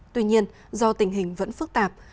tuy nhiên do tình hình vẫn phức tạp